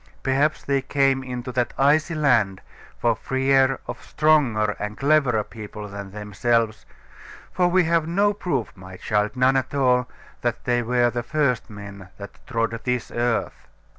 Perhaps they came into that icy land for fear of stronger and cleverer people than themselves; for we have no proof, my child, none at all, that they were the first men that trod this earth.